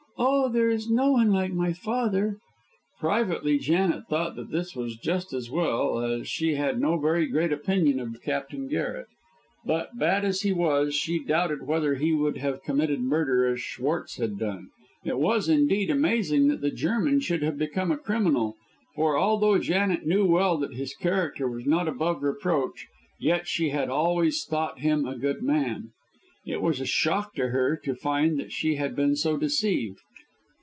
Oh, there is no one like my father." Privately Janet thought that this was just as well, as she had no very great opinion of Captain Garret. But, bad as he was, she doubted whether he would have committed murder as Schwartz had done. It was, indeed, amazing that the German should have become a criminal; for, although Janet knew well that his character was not above reproach, yet she had always thought him a good man. It was a shock to her to find that she had been so deceived.